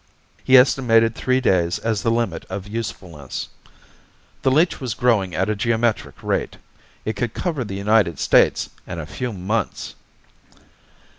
He estimated three days as the limit of usefulness. The leech was growing at a geometric rate. It could cover the United States in a few months.